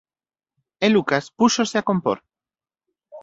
E Lucas púxose a compor.